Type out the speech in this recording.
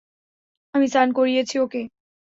আমি স্নান করিয়েছি ওকে!